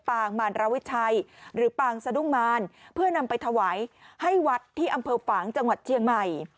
มารวิชัยหรือปางสะดุ้งมารเพื่อนำไปถวายให้วัดที่อำเภอฝางจังหวัดเชียงใหม่